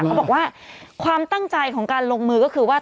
เขาบอกว่าความตั้งใจของการลงมือก็คือว่า